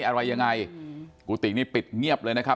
อะไรยังไงกุฏินี่ปิดเงียบเลยนะครับ